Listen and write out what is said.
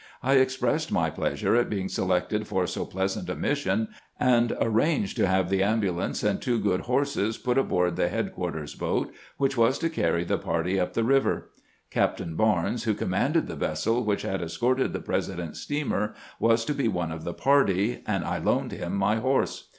I ex pressed my pleasure at being selected for so pleasant a mission, and arranged to have the ambulance and two good horses put aboard the headquarters boat, which was to carry the party up the river. Captain Barnes, who commanded the vessel which had escorted the President's steamer, was to be one of the party, and I loaned him my horse.